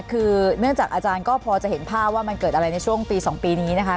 คือเนื่องจากอาจารย์ก็พอจะเห็นภาพว่ามันเกิดอะไรในช่วงปี๒ปีนี้นะคะ